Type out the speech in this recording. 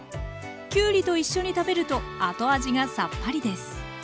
きゅうりと一緒に食べると後味がさっぱりです。